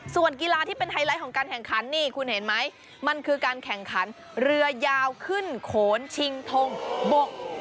ส่วนกีฬาที่เป็นไฮไลท์ของการแข่งขันนี่คุณเห็นไหมมันคือการแข่งขันเรือยาวขึ้นโขนชิงทงบก